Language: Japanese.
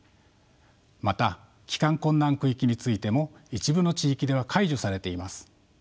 また帰還困難区域についても一部の地域では解除されています。